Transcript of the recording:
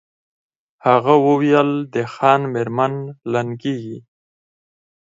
هغه وویل د خان مېرمن لنګیږي